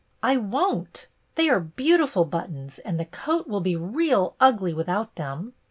" I won't. They are beautiful buttons and the coat will be real ugly without tliem.